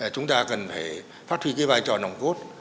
chúng ta cần phải phát huy cái vai trò nồng cốt